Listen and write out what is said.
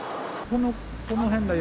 この辺だよ。